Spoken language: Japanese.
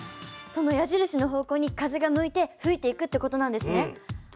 その矢印の方向に風が向いて吹いていくってことなんですね。